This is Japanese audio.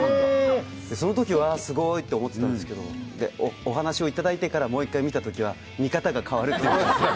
そのときは、わー、すごーいと思ってたんですけど、お話をいただいてからもう１回見たときは、見方が変わるという。